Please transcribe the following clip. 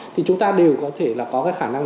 thì chúng ta đều có thể là có cái khả năng